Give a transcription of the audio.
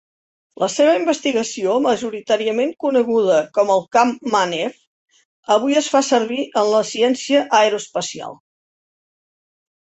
La seva investigació, majoritàriament coneguda com el camp Manev, avui es fa servir en la ciència aeroespacial.